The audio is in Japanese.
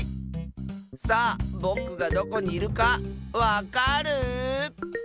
さあぼくがどこにいるかわかる？